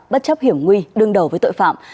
bất chấp hiểm nguy đương đầu với tội phạm